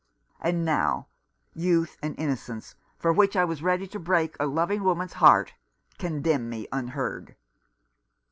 "And now youth and innocence, for which I was ready to break a loving woman's heart, con demn me unheard.